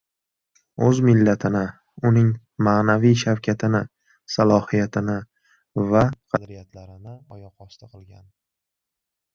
O‘z millatini, uning ma’naviy shavkatini, salohiyatini va qadriyatlarini oyoq osti qilgan